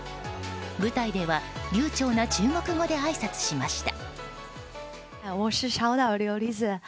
舞台では流暢な中国語であいさつしました。